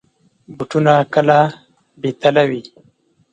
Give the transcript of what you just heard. بوټونه کله بې تله وي.